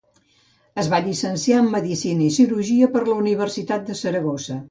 Es va llicenciar en Medicina i Cirurgia per la Universitat de Saragossa.